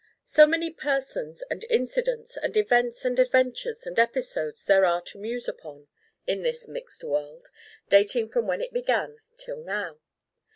So many persons and incidents and events and adventures and episodes there are to muse upon, in this mixed world, dating from when it began till now.